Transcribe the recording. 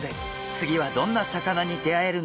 次はどんな魚に出会えるんでしょうか？